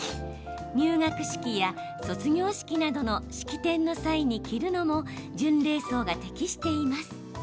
入学式や卒業式などの式典の際に着るのも準礼装が適しています。